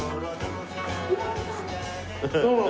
どうも。